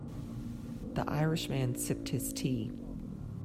The Irish man sipped his tea.